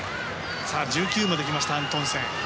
１９まで来たアントンセン。